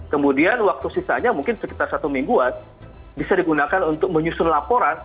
kemudian waktu sisanya mungkin sekitar satu mingguan bisa digunakan untuk menyusun laporan